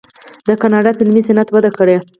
د کاناډا فلمي صنعت وده کړې.